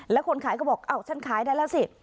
แล้วคนขายก็บอกอ้าวฉันขายได้แล้วสิ